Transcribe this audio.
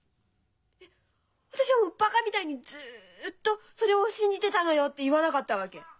「私はバカみたいにずっとそれを信じていたのよ」って言わなかったわけ？